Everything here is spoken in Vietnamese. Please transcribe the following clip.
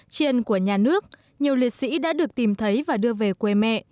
trên của nhà nước nhiều liệt sĩ đã được tìm thấy và đưa về quê mẹ